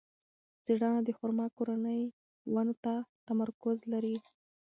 څېړنه د خورما کورنۍ ونو ته تمرکز لري.